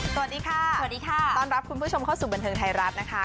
สวัสดีค่ะสวัสดีค่ะต้อนรับคุณผู้ชมเข้าสู่บันเทิงไทยรัฐนะคะ